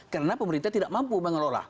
karena pemerintah tidak mampu mengelola